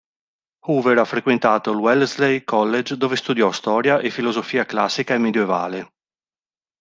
Hoover ha frequentato il Wellesley College dove studiò storia e filosofia classica e medioevale.